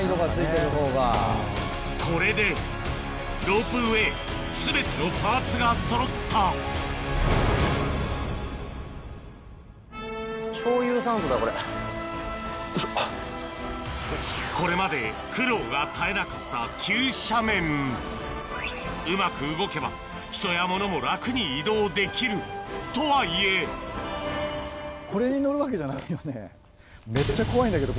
これでロープウエー全てのパーツがそろったこれまで苦労が絶えなかったうまく動けば人や物も楽に移動できるとはいえめっちゃ怖いんだけど。